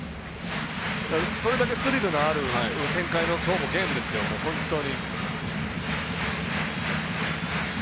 それだけスリルのあるきょうのゲームですよ、本当に。